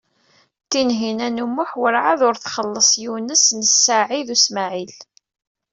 Tinhinan u Muḥ werɛad ur txelleṣ Yunes u Saɛid u Smaɛil.